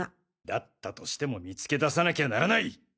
だったとしても見つけ出さなきゃならない。